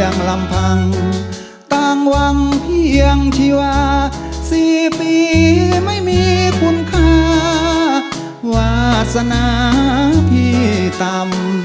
ยังลำพังต่างหวังเพียงชีวา๔ปีไม่มีคุณค่าวาสนาพี่ต่ำ